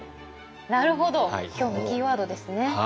なるほど今日のキーワードですね。